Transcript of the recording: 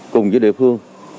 cùng với địa phương